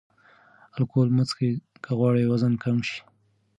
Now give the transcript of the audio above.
الکول مه څښئ که غواړئ وزن کم شي.